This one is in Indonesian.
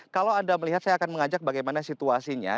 kalau anda melihat saya akan mengajak bagaimana situasinya